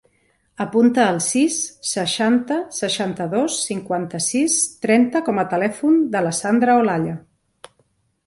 Apunta el sis, seixanta, seixanta-dos, cinquanta-sis, trenta com a telèfon de la Sandra Olalla.